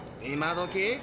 今どき？